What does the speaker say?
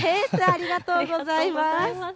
ありがとうございます。